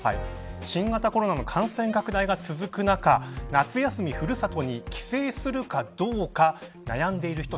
新型コロナの感染拡大が続く中夏休み古里に帰省するかどうか悩んでいる人